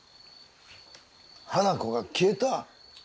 花子が消えた？